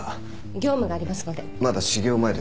業務がありますので。